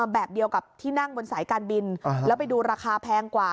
แบบเดียวกับที่นั่งบนสายการบินแล้วไปดูราคาแพงกว่า